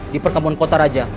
di perkabun kota raja